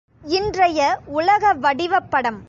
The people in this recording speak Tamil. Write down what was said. இன்றைய உலக வடிவப் படம்.